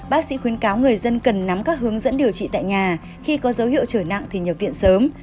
bác sĩ khuyến cáo người dân cần nắm các hướng dẫn điều trị tại nhà khi có dấu hiệu trở nặng thì nhập viện sớm